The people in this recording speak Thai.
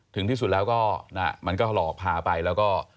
ถึงที่สุดแล้วก็มันก็หลอกพาไปแล้วก็